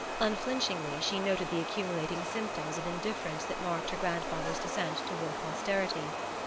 Unflinchingly she noted the accumulating symptoms of indifference that marked her grandfather's descent toward posterity.